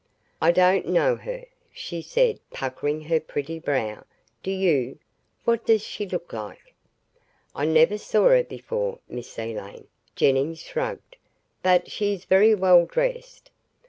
"I don't know her," she said puckering her pretty brow. "Do you? What does she look like?" "I never saw her before, Miss Elaine," Jennings shrugged. "But she is very well dressed."